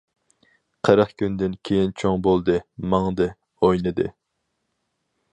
قىرىق كۈندىن كېيىن، چوڭ بولدى، ماڭدى، ئوينىدى.